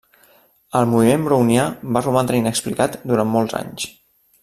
El moviment brownià va romandre inexplicat durant molts anys.